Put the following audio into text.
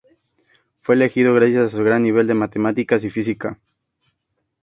Fue elegido gracias a su gran nivel de matemáticas y física.